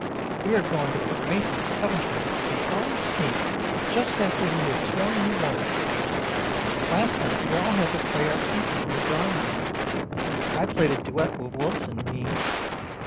We are going to put Mason in Coventry because he always sneaks just after he has sworn he won't. Last night we all had to play our pieces in the Drawing Room. I played a duet with Wilson mi.